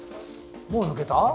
もう抜けた？